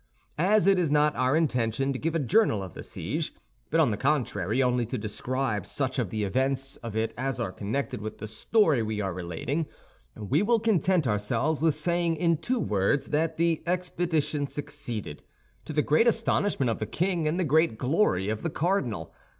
As it is not our intention to give a journal of the siege, but on the contrary only to describe such of the events of it as are connected with the story we are relating, we will content ourselves with saying in two words that the expedition succeeded, to the great astonishment of the king and the great glory of the cardinal.